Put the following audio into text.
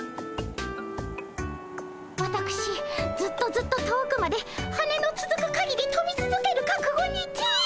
わたくしずっとずっと遠くまで羽のつづくかぎりとびつづけるかくごにて。